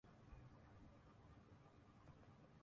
درمدات کے باوجود ٹماٹر پیاز کی قیمتیں بلند ترین سطح پر پہنچ گئیں